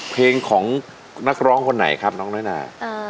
เพลงของนักร้องคนไหนครับน้องน้อยนา